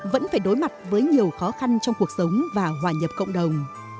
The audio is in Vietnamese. vẫn phải đối mặt với nhiều khó khăn trong cuộc sống và hòa nhập cộng đồng